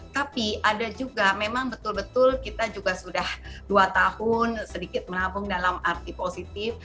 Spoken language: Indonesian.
tapi ada juga memang betul betul kita juga sudah dua tahun sedikit menabung dalam arti positif